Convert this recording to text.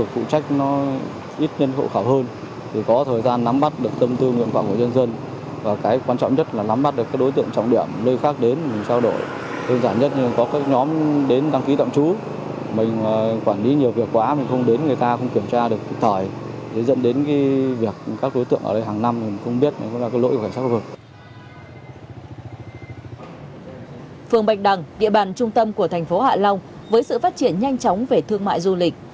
phường bạch đằng địa bàn trung tâm của thành phố hạ long với sự phát triển nhanh chóng về thương mại du lịch